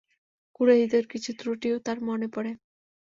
কুরাইশদের কিছু ত্রুটিও তার মনে পড়ে।